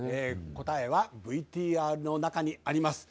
答えはＶＴＲの中にあります。